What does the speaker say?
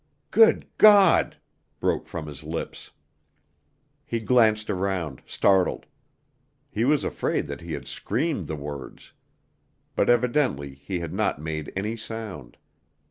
"Good God!" broke from his lips. He glanced around, startled. He was afraid that he had screamed the words. But evidently he had not made any sound.